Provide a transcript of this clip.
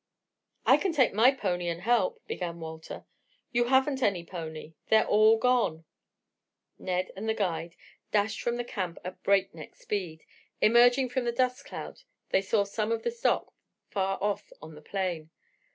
"I can take my pony and help," began Walter. "You haven't any pony. They're all gone." Ned and the guide dashed from the camp at break neck speed. Emerging from the dust cloud they saw some of the stock far off on the plain.